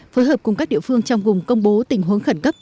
phối hợp cùng các địa phương trong vùng công bố tình huống khẩn cấp